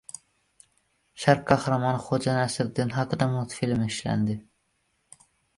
Sharq qahramoni Xo‘ja Nasriddin haqida multfilm ishlanadi